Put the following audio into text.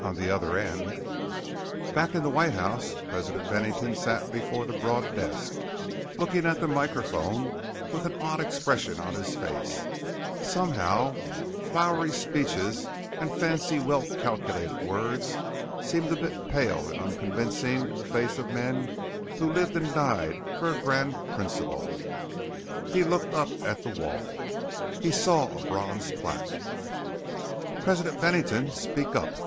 "On the other end!" Back in the White House, President Bennington sat before the broad desk, looking at the microphone with an odd expression on his face. Somehow flowery speeches and fancy, well calculated words seemed a bit pale and unconvincing in the face of men who lived and died for a Grand Principle. He looked up at the wall. He saw a bronze plaque. "President Bennington! Speak up!"